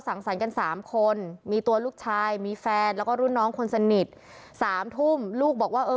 สรรค์กันสามคนมีตัวลูกชายมีแฟนแล้วก็รุ่นน้องคนสนิทสามทุ่มลูกบอกว่าเออ